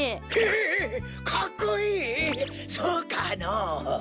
そうかのぉ？